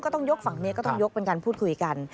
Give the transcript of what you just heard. ต้องยกฝั่งนี้ก็ต้องยกเป็นการพูดคุยกัน